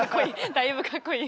だいぶかっこいい。